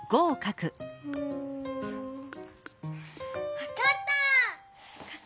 わかった！